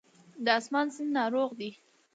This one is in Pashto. د آسمان سیند ناروغ دی